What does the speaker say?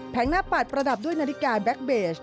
หน้าปัดประดับด้วยนาฬิกาแบ็คเบส